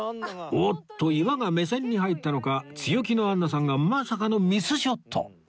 おっと岩が目線に入ったのか強気のアンナさんがまさかのミスショット